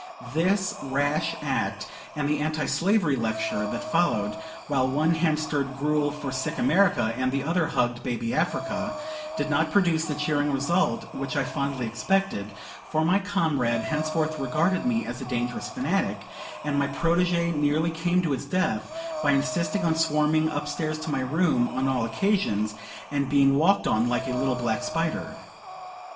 This rash act, and the anti slavery lecture that followed, while one hand stirred gruel for sick America, and the other hugged baby Africa, did not produce the cheering result which I fondly expected; for my comrade henceforth regarded me as a dangerous fanatic, and my protegé nearly came to his death by insisting on swarming up stairs to my room, on all occasions, and being walked on like a little black spider.